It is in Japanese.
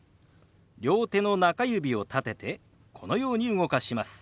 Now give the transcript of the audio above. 両手の中指を立ててこのように動かします。